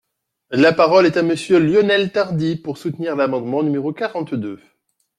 La parole est à Monsieur Lionel Tardy, pour soutenir l’amendement numéro quarante-deux.